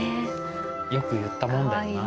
よく言ったもんだよな。